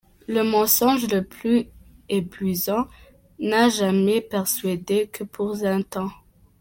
Le mensonge le plus éblouissant n’a jamais persuadé que pour un temps.